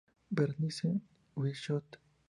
Bernice P. Bishop.